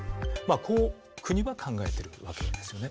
こう国は考えてるわけですよね。